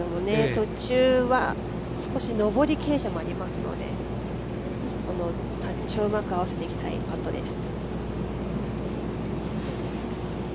途中は少し上り傾斜もありますのでタッチをうまく合わせていきたいパットです。